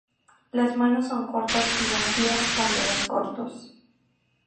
Las manos son cortas y amplias con dedos cortos.